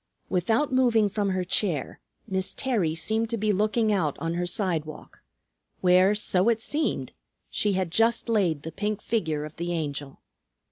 Without moving from her chair Miss Terry seemed to be looking out on her sidewalk, where, so it seemed, she had just laid the pink figure of the Angel.